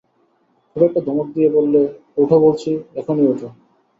খুব একটা ধমক দিয়ে বললে, ওঠো বলছি, এখনই ওঠো!